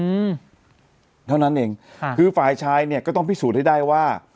อืมเท่านั้นเองค่ะคือฝ่ายชายเนี้ยก็ต้องพิสูจน์ให้ได้ว่า